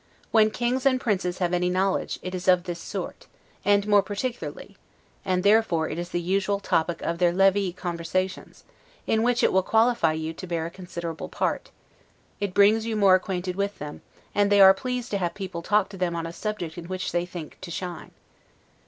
When kings and princes have any knowledge, it is of this sort, and more particularly; and therefore it is the usual topic of their levee conversations, in which it will qualify you to bear a considerable part; it brings you more acquainted with them; and they are pleased to have people talk to them on a subject in which they think to shine.